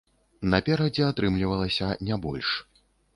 Наперадзе атрымлівалася не больш.